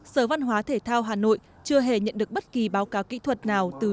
sở văn hóa thể thao hà nội chưa hề nhận được bất kỳ báo cáo kỹ thuật nào